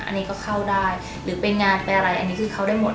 อันนี้ก็เข้าได้หรือไปงานไปอะไรอันนี้คือเข้าได้หมด